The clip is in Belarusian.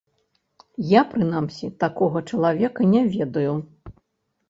Я, прынамсі, такога чалавека не ведаю.